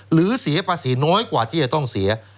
หรือเสียภาษีน้อยกว่าที่จะต้องเสีย